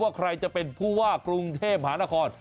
ใครจะเป็นผู้ว่ากรุงเทพหานคร